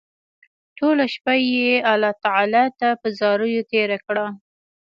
ټوله شپه يې الله تعالی ته په زاريو تېره کړه